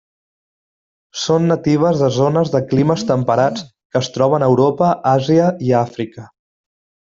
Són natives de zones de climes temperats que es troben a Europa Àsia i Àfrica.